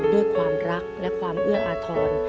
ด้วยความรักและความเอื้ออาทร